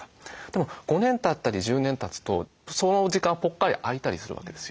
でも５年たったり１０年たつとその時間はぽっかり空いたりするわけですよ。